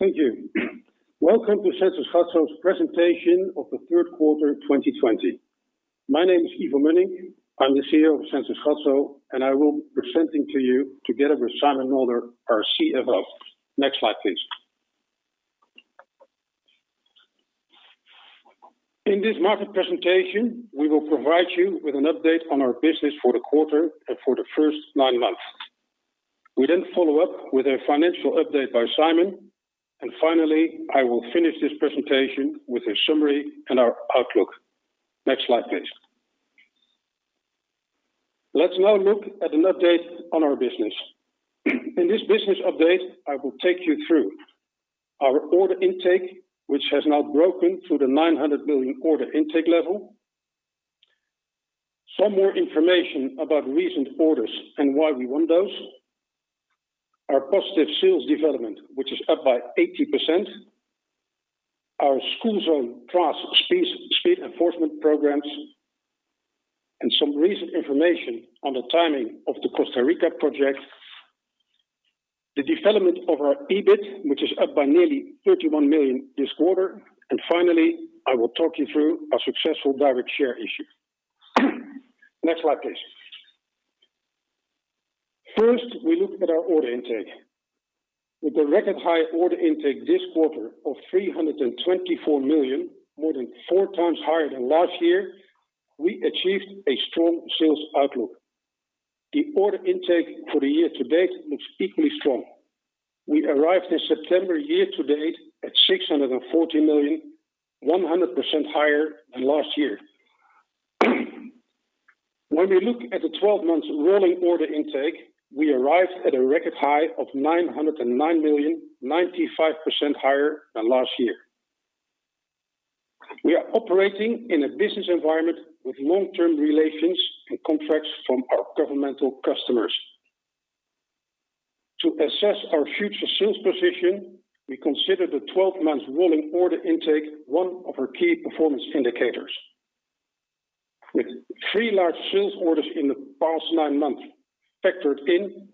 Thank you. Welcome to Sensys Gatso's presentation of the third quarter 2020. My name is Ivo Mönnink. I'm the CEO of Sensys Gatso, and I will be presenting to you together with Simon Mulder, our CFO. Next slide, please. In this market presentation, we will provide you with an update on our business for the quarter and for the first nine months. We follow up with a financial update by Simon, and finally, I will finish this presentation with a summary and our outlook. Next slide, please. Let's now look at an update on our business. In this business update, I will take you through our order intake, which has now broken through the 900 million order intake level. Some more information about recent orders and why we won those. Our positive sales development, which is up by 80%. Our school zone TRaaS speed enforcement programs, and some recent information on the timing of the Costa Rica project. The development of our EBIT, which is up by nearly 31 million this quarter. Finally, I will talk you through our successful direct share issue. Next slide, please. First, we look at our order intake. With a record high order intake this quarter of 324 million, more than four times higher than last year, we achieved a strong sales outlook. The order intake for the year-to-date looks equally strong. We arrived at September year-to-date at 640 million, 100% higher than last year. When we look at the 12 months rolling order intake, we arrive at a record high of 909 million, 95% higher than last year. We are operating in a business environment with long-term relations and contracts from our governmental customers. To assess our future sales position, we consider the 12 months rolling order intake, one of our key performance indicators. With three large sales orders in the past nine months factored in,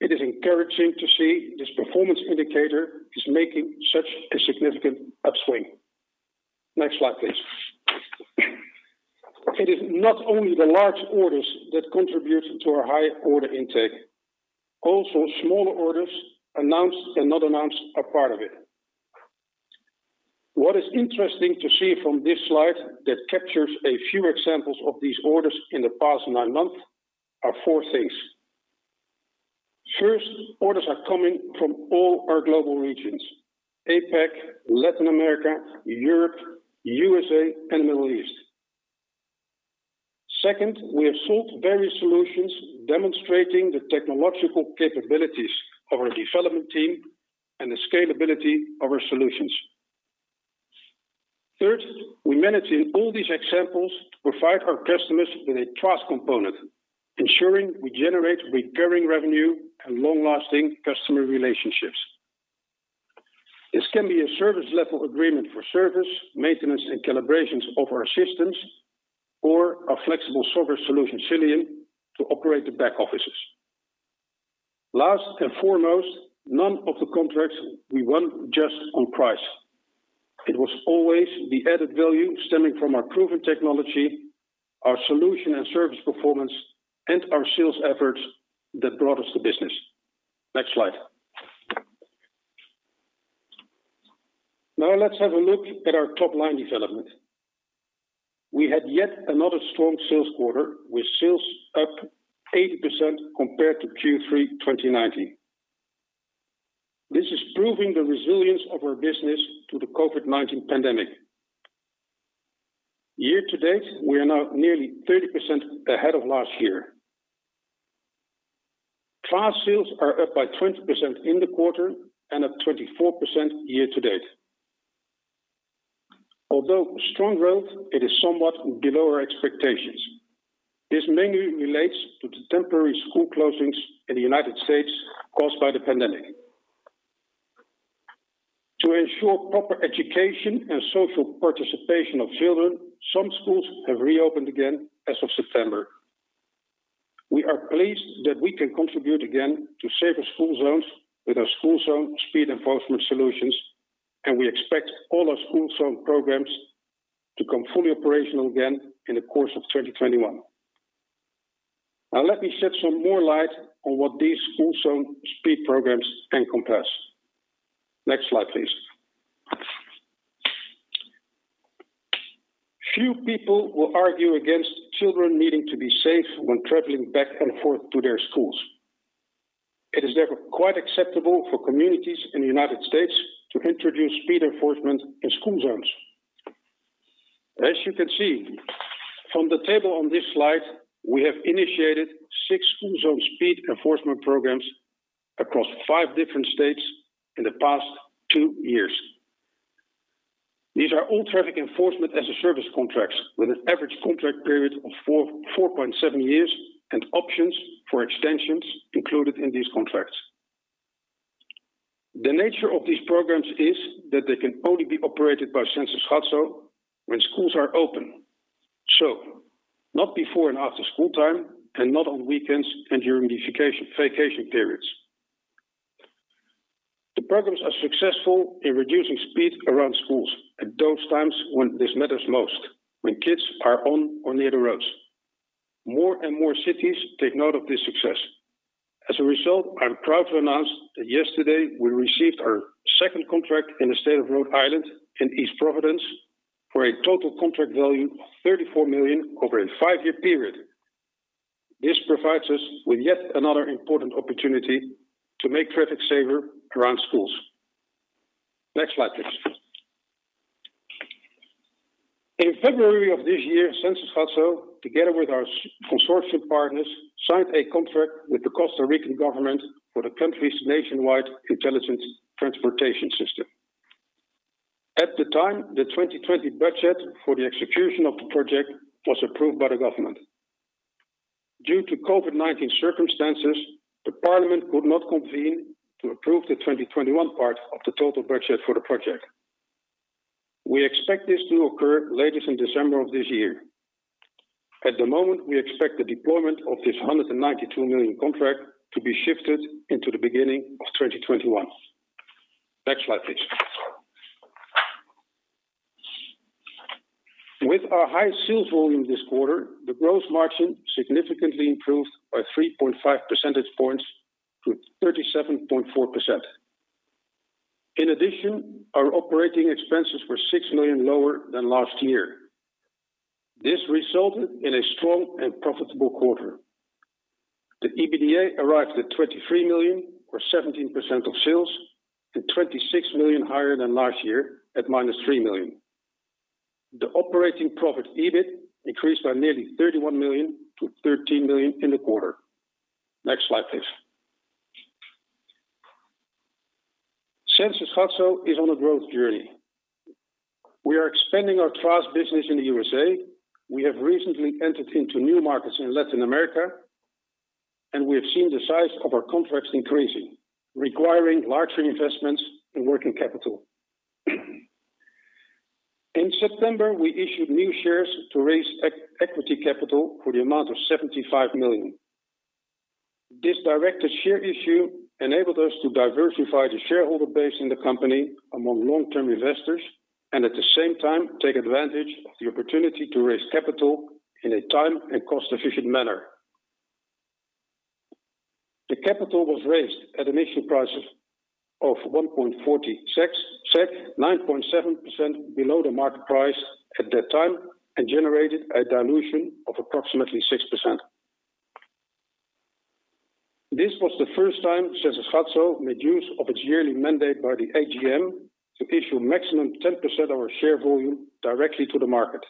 it is encouraging to see this performance indicator is making such a significant upswing. Next slide, please. It is not only the large orders that contribute to our high order intake. Also, smaller orders, announced and not announced, are part of it. What is interesting to see from this slide that captures a few examples of these orders in the past nine months are four things. First, orders are coming from all our global regions, APAC, Latin America, Europe, U.S.A., and Middle East. Second, we have sold various solutions demonstrating the technological capabilities of our development team and the scalability of our solutions. Third, we manage in all these examples to provide our customers with a TRaaS component, ensuring we generate recurring revenue and long-lasting customer relationships. This can be a service level agreement for service, maintenance, and calibrations of our systems, or our flexible software solution, Xilium, to operate the back offices. Last and foremost, none of the contracts we won just on price. It was always the added value stemming from our proven technology, our solution and service performance, and our sales efforts that brought us the business. Next slide. Now let's have a look at our top-line development. We had yet another strong sales quarter with sales up 80% compared to Q3 2019. This is proving the resilience of our business to the COVID-19 pandemic. Year-to-date, we are now nearly 30% ahead of last year. TRaaS sales are up by 20% in the quarter and up 24% year-to-date. Although strong growth, it is somewhat below our expectations. This mainly relates to the temporary school closings in the United States caused by the pandemic. To ensure proper education and social participation of children, some schools have reopened again as of September. We are pleased that we can contribute again to safer school zones with our school zone speed enforcement solutions, and we expect all our school zone programs to come fully operational again in the course of 2021. Now, let me shed some more light on what these school zone speed programs encompass. Next slide, please. Few people will argue against children needing to be safe when traveling back and forth to their schools. It is therefore quite acceptable for communities in the United States to introduce speed enforcement in school zones. As you can see from the table on this slide, we have initiated six school zone speed enforcement programs across five different states in the past two years. These are all traffic enforcement as a service contracts with an average contract period of 4.7 years and options for extensions included in these contracts. The nature of this program is that they can only operated by Sensys Gatso when schools are open. Not before and after school time, and not on weekends and during the vacation periods. The programs are successful in reducing speed around schools at those times when this matters most, when kids are on or near the roads. More and more cities take note of this success. I'm proud to announce that yesterday we received our second contract in the state of Rhode Island in East Providence for a total contract value of 34 million over a five-year period. This provides us with yet another important opportunity to make traffic safer around schools. Next slide, please. In February of this year, Sensys Gatso, together with our consortium partners, signed a contract with the Costa Rican government for the country's nationwide intelligent transportation system. At the time, the 2020 budget for the execution of the project was approved by the government. Due to COVID-19 circumstances, the parliament could not convene to approve the 2021 part of the total budget for the project. We expect this to occur latest in December of this year. At the moment, we expect the deployment of this 192 million contract to be shifted into the beginning of 2021. Next slide, please. With our high sales volume this quarter, the gross margin significantly improved by 3.5 percentage points to 37.4%. In addition, our operating expenses were 6 million lower than last year. This resulted in a strong and profitable quarter. The EBITDA arrived at 23 million, or 17% of sales, and 26 million higher than last year at -3 million. The operating profit, EBIT, increased by nearly 31 million to 13 million in the quarter. Next slide, please. Sensys Gatso is on a growth journey. We are expanding our TRaaS business in the U.S.A. We have recently entered into new markets in Latin America, and we have seen the size of our contracts increasing, requiring larger investments in working capital. In September, we issued new shares to raise equity capital for the amount of 75 million. This directed share issue enabled us to diversify the shareholder base in the company among long-term investors, and at the same time take advantage of the opportunity to raise capital in a time and cost-efficient manner. The capital was raised at an issue price of 1.46 SEK, 9.7% below the market price at that time, and generated a dilution of approximately 6%. This was the first time Sensys Gatso made use of its yearly mandate by the AGM to issue maximum 10% of our share volume directly to the market.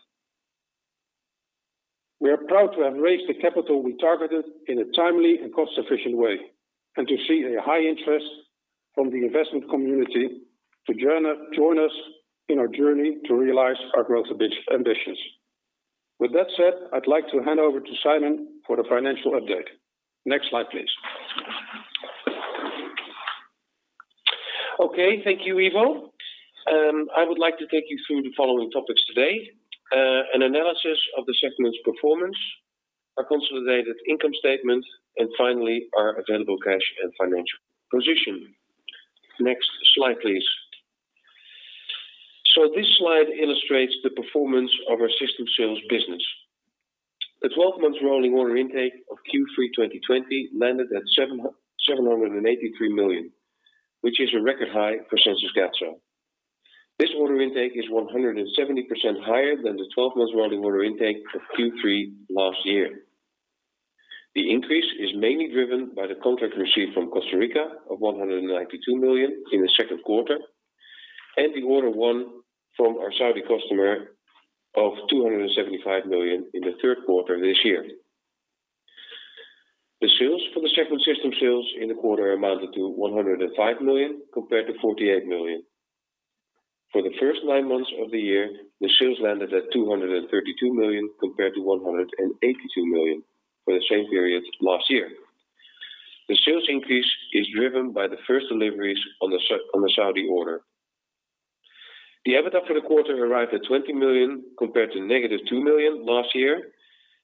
We are proud to have raised the capital we targeted in a timely and cost-efficient way, and to see a high interest from the investment community to join us in our journey to realize our growth ambitions. With that said, I'd like to hand over to Simon for the financial update. Next slide, please. Okay, thank you, Ivo. I would like to take you through the following topics today. An analysis of the segment's performance, our consolidated income statement, and finally, our available cash and financial position. Next slide, please. This slide illustrates the performance of our system sales business. The 12-month rolling order intake of Q3 2020 landed at 783 million, which is a record high for Sensys Gatso. This order intake is 170% higher than the 12-month rolling order intake for Q3 last year. The increase is mainly driven by the contract received from Costa Rica of 192 million in the second quarter, and the order won from our Saudi customer of 275 million in the third quarter this year. The sales for the segment system sales in the quarter amounted to 105 million, compared to 48 million. For the first nine months of the year, the sales landed at 232 million, compared to 182 million for the same period last year. The sales increase is driven by the first deliveries on the Saudi order. The EBITDA for the quarter arrived at 20 million, compared to -2 million last year.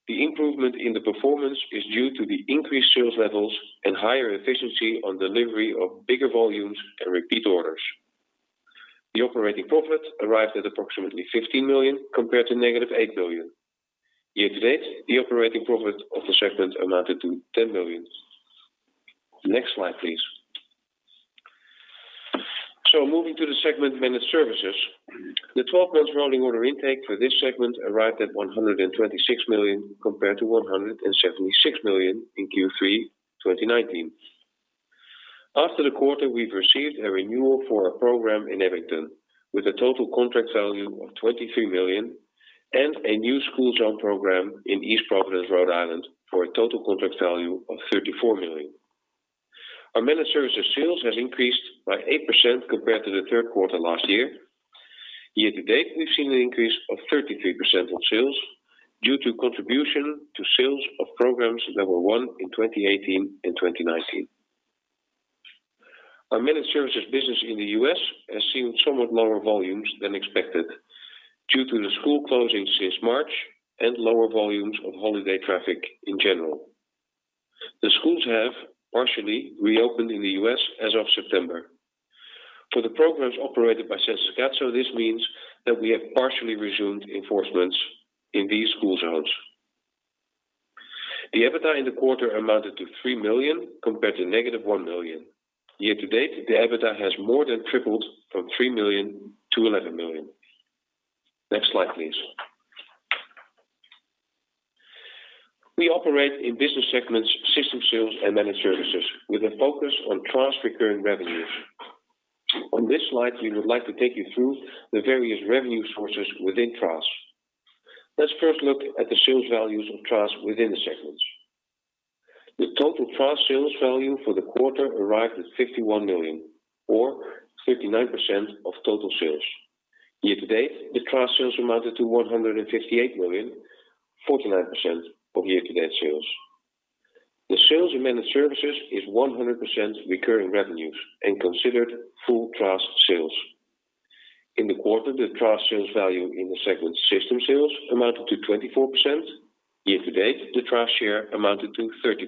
The improvement in the performance is due to the increased sales levels and higher efficiency on delivery of bigger volumes and repeat orders. The operating profit arrived at approximately 15 million, compared to -8 million. Year-to-date, the operating profit of the segment amounted to 10 million. Next slide, please. Moving to the segment managed services. The 12 months rolling order intake for this segment arrived at 126 million, compared to 176 million in Q3 2019. After the quarter, we've received a renewal for a program in Abington, with a total contract value of 23 million and a new school zone program in East Providence, Rhode Island, for a total contract value of 34 million. Our managed services sales has increased by 8% compared to the third quarter last year. Year-to-date, we've seen an increase of 33% on sales due to contribution to sales of programs that were won in 2018 and 2019. Our managed services business in the U.S. has seen somewhat lower volumes than expected due to the school closings since March and lower volumes of holiday traffic in general. The schools have partially reopened in the U.S. as of September. For the programs operated by Sensys Gatso, this means that we have partially resumed enforcements in these school zones. The EBITDA in the quarter amounted to 3 million compared to negative 1 million. Year-to-date, the EBITDA has more than tripled from 3 million to 11 million. Next slide, please. We operate in business segments, system sales, and managed services with a focus on TRaaS recurring revenues. On this slide, we would like to take you through the various revenue sources within TRaaS. Let's first look at the sales values of TRaaS within the segments. The total TRaaS sales value for the quarter arrived at 51 million, or 39% of total sales. Year-to-date, the TRaaS sales amounted to SEK 158 million, 49% of year-to-date sales. The sales in managed services is 100% recurring revenues and considered full TRaaS sales. In the quarter, the TRaaS sales value in the segment system sales amounted to 24%. Year-to-date, the TRaaS share amounted to 30%.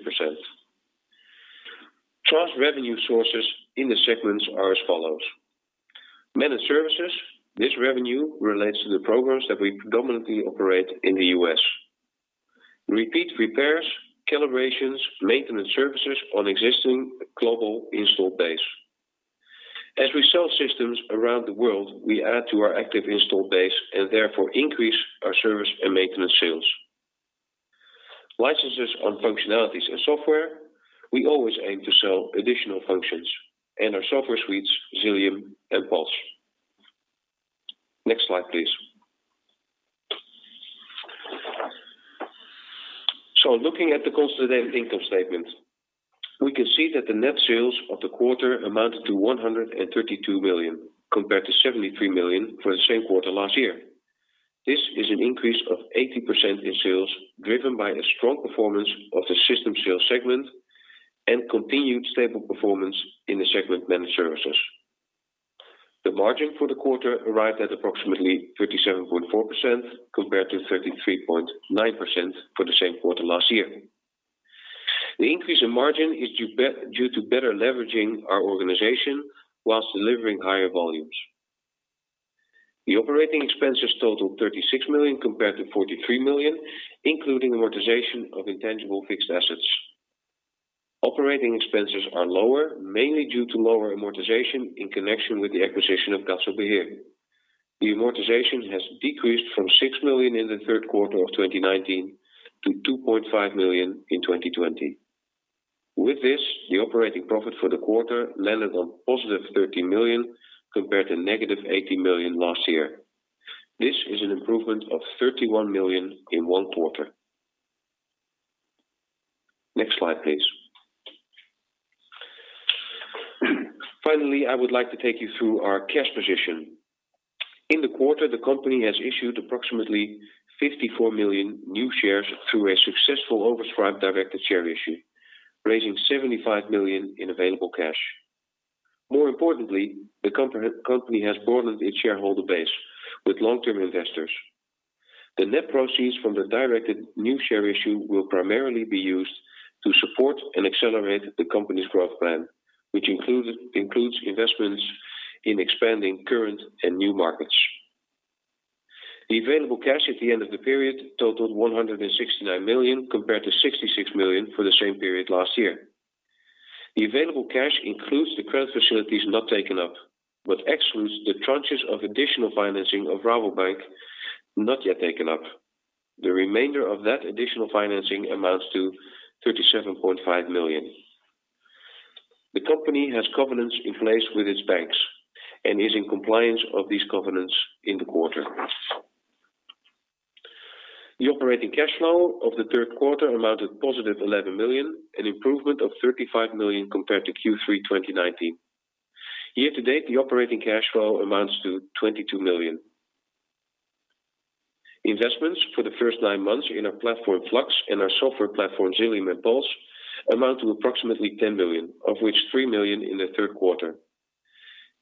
TRaaS revenue sources in the segments are as follows. Managed Services, this revenue relates to the programs that we predominantly operate in the U.S. Repeat repairs, calibrations, maintenance services on existing global installed base. As we sell systems around the world, we add to our active installed base and therefore increase our service and maintenance sales. Licenses on functionalities and software, we always aim to sell additional functions in our software suites, Xilium and Puls. Next slide, please. Looking at the consolidated income statement, we can see that the net sales of the quarter amounted to 132 million compared to 73 million for the same quarter last year. This is an increase of 80% in sales driven by a strong performance of the System Sales segment and continued stable performance in the segment Managed Services. The margin for the quarter arrived at approximately 37.4% compared to 33.9% for the same quarter last year. The increase in margin is due to better leveraging our organization whilst delivering higher volumes. The operating expenses total 36 million compared to 43 million, including amortization of intangible fixed assets. Operating expenses are lower, mainly due to lower amortization in connection with the acquisition of Gatso Beheer. The amortization has decreased from 6 million in the third quarter of 2019 to 2.5 million in 2020. With this, the operating profit for the quarter landed on positive 13 million compared to -18 million last year. This is an improvement of 31 million in one quarter. Next slide, please. Finally, I would like to take you through our cash position. In the quarter, the company has issued approximately 54 million new shares through a successful oversubscribed directed share issue, raising 75 million in available cash. More importantly, the company has broadened its shareholder base with long-term investors. The net proceeds from the directed new share issue will primarily be used to support and accelerate the company's growth plan, which includes investments in expanding current and new markets. The available cash at the end of the period totaled 169 million compared to 66 million for the same period last year. The available cash includes the credit facilities not taken up, but excludes the tranches of additional financing of Rabobank not yet taken up. The remainder of that additional financing amounts to 37.5 million. The company has covenants in place with its banks and is in compliance of these covenants in the quarter. The operating cash flow of the third quarter amounted positive 11 million, an improvement of 35 million compared to Q3 2019. Year-to-date, the operating cash flow amounts to 22 million. Investments for the first nine months in our platform, Flux, and our software platform, Xilium and Puls, amount to approximately 10 million, of which 3 million in the third quarter.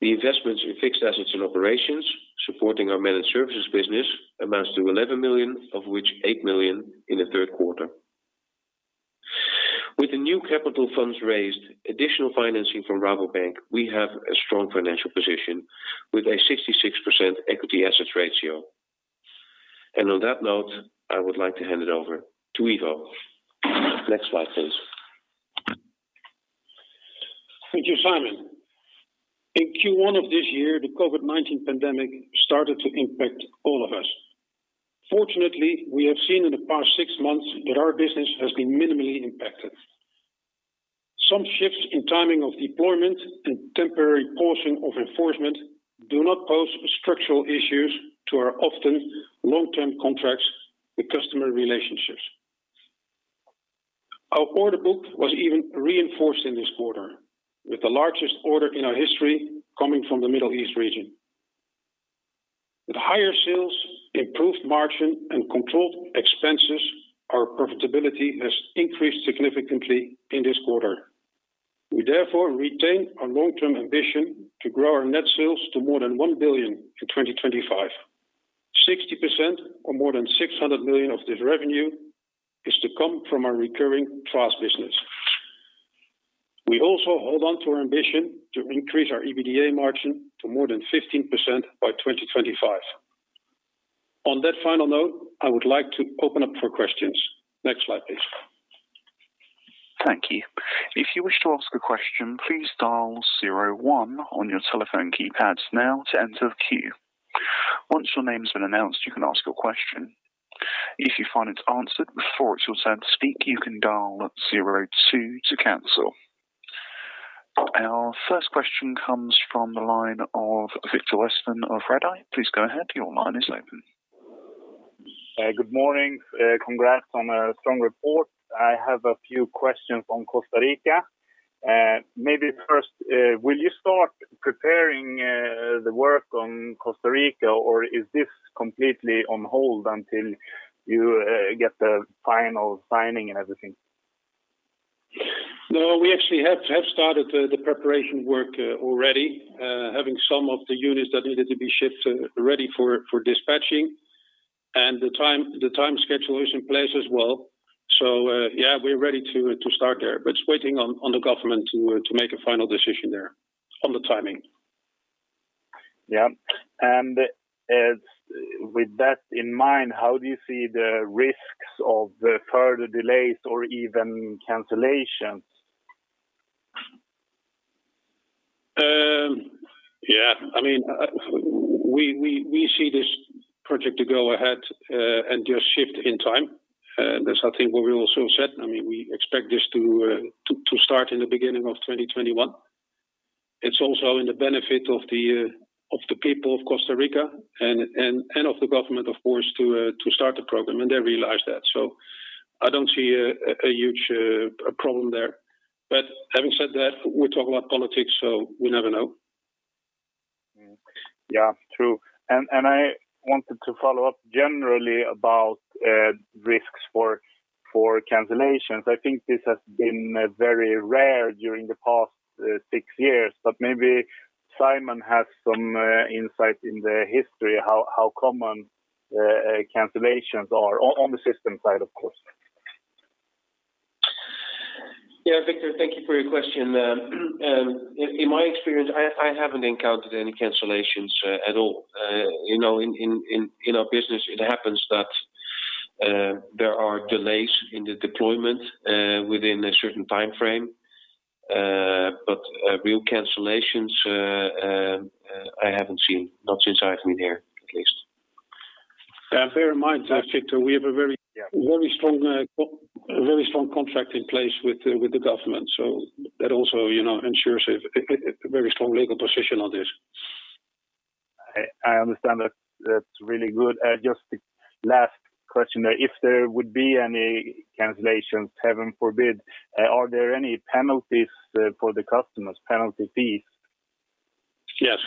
The investments in fixed assets and operations supporting our managed services business amounts to 11 million, of which 8 million in the third quarter. With the new capital funds raised, additional financing from Rabobank, we have a strong financial position with a 66% equity assets ratio. On that note, I would like to hand it over to Ivo. Next slide, please. Thank you, Simon. In Q1 of this year, the COVID-19 pandemic started to impact all of us. Fortunately, we have seen in the past six months that our business has been minimally impacted. Some shifts in timing of deployment and temporary pausing of enforcement do not pose structural issues to our often long-term contracts with customer relationships. Our order book was even reinforced in this quarter with the largest order in our history coming from the Middle East region. With higher sales, improved margin, and controlled expenses, our profitability has increased significantly in this quarter. We therefore retain our long-term ambition to grow our net sales to more than 1 billion in 2025. 60%, or more than 600 million of this revenue, is to come from our recurring TRaaS business. We also hold on to our ambition to increase our EBITDA margin to more than 15% by 2025. On that final note, I would like to open up for questions. Next slide, please. Thank you. If you wish to ask a question, please dial zero one on your telephone keypads now to enter the queue. Once your name has been announced, you can ask your question. If you find it's answered before it's your turn to speak, you can dial zero two to cancel. Our first question comes from the line of Viktor Westman of Redeye. Please go ahead. Your line is open. Good morning. Congrats on a strong report. I have a few questions on Costa Rica. Maybe first, will you start preparing the work on Costa Rica, or is this completely on hold until you get the final signing and everything? No, we actually have started the preparation work already, having some of the units that needed to be shipped ready for dispatching. The time schedule is in place as well. Yeah, we're ready to start there. It's waiting on the government to make a final decision there on the timing. Yeah. With that in mind, how do you see the risks of the further delays or even cancellations? Yeah. We see this project to go ahead and just shift in time. That's, I think, what we also said. We expect this to start in the beginning of 2021. It's also in the benefit of the people of Costa Rica and of the government, of course, to start the program, and they realize that. I don't see a huge problem there. Having said that, we're talking about politics, so we never know. Yeah. True. I wanted to follow up generally about risks for cancellations. I think this has been very rare during the past six years, but maybe Simon has some insight in the history, how common cancellations are on the system side, of course. Yeah, Viktor, thank you for your question. In my experience, I haven't encountered any cancellations at all. In our business, it happens that there are delays in the deployment within a certain timeframe, but real cancellations, I haven't seen. Not since I've been here, at least. Bear in mind, Viktor, we have a very- Yeah. Strong contract in place with the government. That also ensures a very strong legal position on this. I understand. That's really good. Just the last question there. If there would be any cancellations, heaven forbid, are there any penalties for the customers, penalty fees? Yes.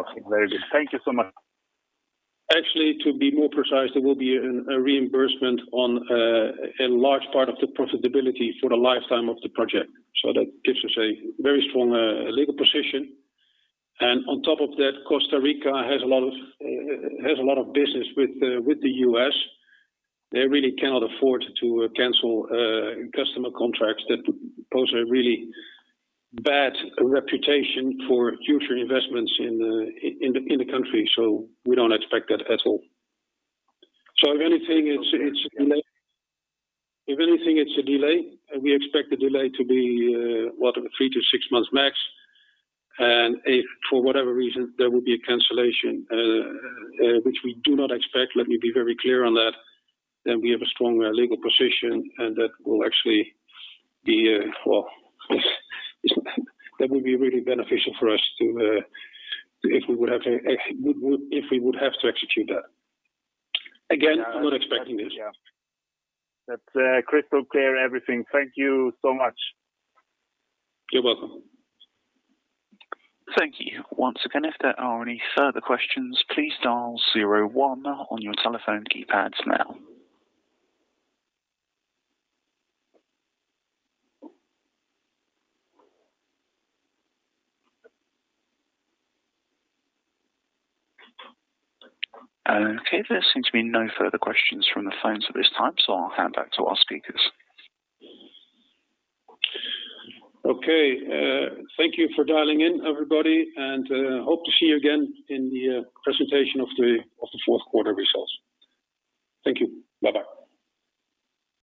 Okay. Very good. Thank you so much. Actually, to be more precise, there will be a reimbursement on a large part of the profitability for the lifetime of the project. That gives us a very strong legal position. On top of that, Costa Rica has a lot of business with the U.S. They really cannot afford to cancel customer contracts that pose a really bad reputation for future investments in the country. We don't expect that at all. If anything, it's a delay. We expect the delay to be, what, three to six months max. If for whatever reason there will be a cancellation, which we do not expect, let me be very clear on that, we have a strong legal position, and that will actually be, well, that would be really beneficial for us, if we would have to execute that. Again, I'm not expecting this. That's crystal clear, everything. Thank you so much. You're welcome. Thank you. Once again, if there are any further questions, please dial zero one on your telephone keypads now. Okay, there seems to be no further questions from the phones at this time, so I'll hand back to our speakers. Okay. Thank you for dialing in, everybody, and hope to see you again in the presentation of the fourth quarter results. Thank you. Bye-bye.